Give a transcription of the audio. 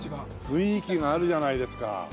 雰囲気があるじゃないですか。